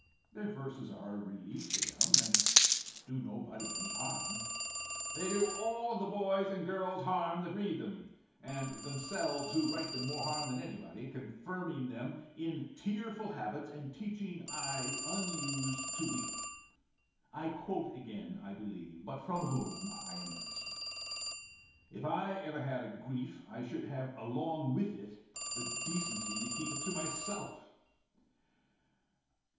Their verses are a relief to them, and do nobody any harm." "They do all the boys and girls harm that read them, and themselves who write them more harm than anybody, confirming them in tearful habits, and teaching eyes unused to weep. I quote again, I believe, but from whom I am innocent. If I ever had a grief, I should have along with it the decency to keep it to myself."